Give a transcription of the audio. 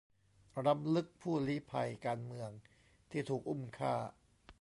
รำลึกผู้ลี้ภัยการเมืองที่ถูกอุ้มฆ่า